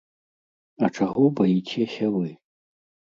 А чаго баіцеся вы?